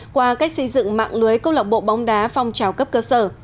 qua cách xây dựng mạng lưới câu lọc bộ bóng đá phong trào cấp cơ sở